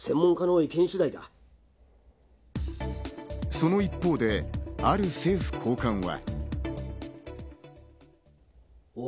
その一方で、ある政府高官は。